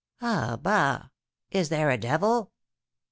"Ah, bah! Is there a devil?"